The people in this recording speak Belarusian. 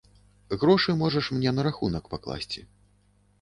Грошы можаш мне на рахунак пакласці.